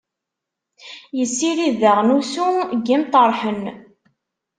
Yessirid daɣen ussu n yimṭarḥen.